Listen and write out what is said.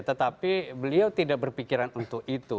tetapi beliau tidak berpikiran untuk itu